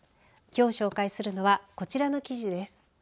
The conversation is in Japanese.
きょう紹介するのはこちらの記事です。